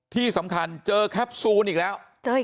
ที่สำคัญเจอแคปซูลอีกแล้ว